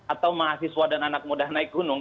atau mahasiswa dan anak muda naik gunung